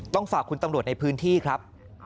ฝากคุณตำรวจในพื้นที่ครับ